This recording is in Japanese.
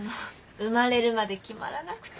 生まれるまで決まらなくて。